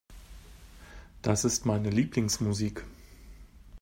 Das ist meine Lieblingsmusik.